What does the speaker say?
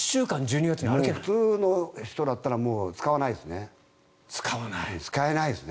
普通の人だったら使わないですね。